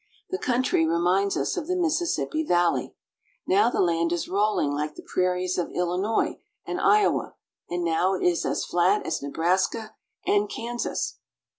The country reminds us of the Missis sippi Valley. Now the land is rolling like the prairies of Illinois and Iowa, and now it is as flat as Nebraska and Kansas.